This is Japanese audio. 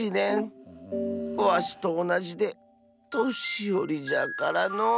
わしとおなじでとしよりじゃからのう。